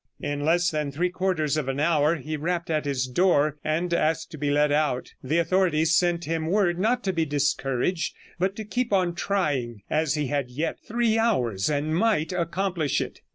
In less than three quarters of an hour he rapped at his door and asked to be let out. The authorities sent him word not to be discouraged, but to keep on trying, as he had yet three hours, and might accomplish it.